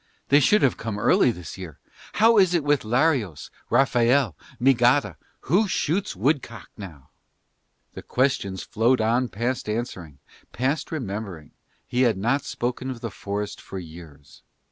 They should have come early this year. How is it with Larios, Raphael, Migada? Who shoots woodcock now?" The questions flowed on past answering, past remembering: he had not spoken of the forest for years.